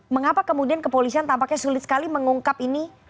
mengapa kemudian kepolisian tampaknya sulit sekali mengungkap ini